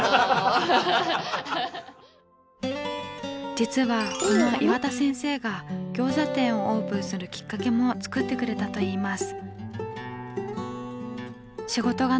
実はこの岩田先生が餃子店をオープンするきっかけも作ってくれたといいます。